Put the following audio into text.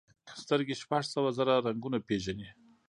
سترګې شپږ سوه زره رنګونه پېژني.